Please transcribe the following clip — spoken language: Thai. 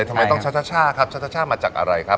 ทำไมต้องชัชช่าครับช่ามาจากอะไรครับ